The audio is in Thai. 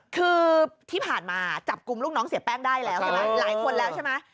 คือที่ผ่านมาจับกลุ่มลูกน้องเสียแป้งได้แล้วใช่ไหมหลายคนแล้วใช่ไหม